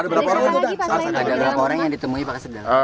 ada berapa orang yang ditemui pak